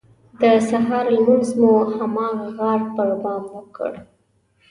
د سهار لمونځ مو د هماغه غار پر بام وکړ.